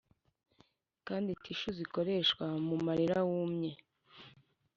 kandi tissue zikoreshwa mumarira wumye.